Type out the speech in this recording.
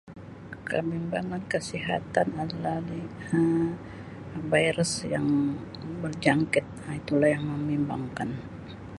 Kebimbangan kesihatan adalah [unintelligible] Um virus yang berjangkit Um itu lah yang membimbangkan.